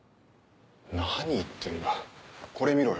何言ってんだこれ見ろよ。